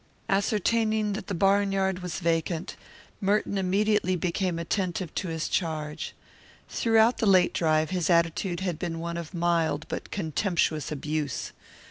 Ascertaining that the barnyard was vacant, Merton immediately became attentive to his charge. Throughout the late drive his attitude had been one of mild but contemptuous abuse.